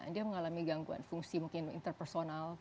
dia mengalami gangguan fungsi mungkin interpersonal